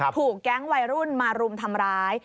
ถูกแก๊งวัยรุ่นมารุมทำร้าย